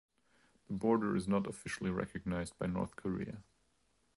The border is not officially recognized by North Korea.